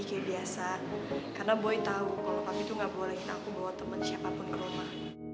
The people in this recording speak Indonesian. kayak biasa karena boy tau kalau papi tuh gak bolehin aku bawa temen siapapun ke rumah